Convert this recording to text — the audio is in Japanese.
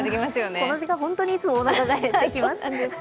この時間、本当にいつもおなかが減ってきます。